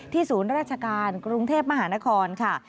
ศูนย์ราชการกรุงเทพมหานครค่ะ